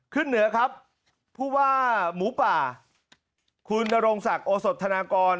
ขึ้นเหนือครับผู้ว่าหมูป่าคุณนรงศักดิ์โอสดธนากร